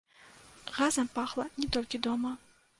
Газам пахла не толькі дома.